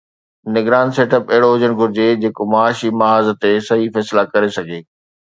نگران set up اهڙو هجڻ گهرجي جيڪو معاشي محاذ تي صحيح فيصلا ڪري سگهي.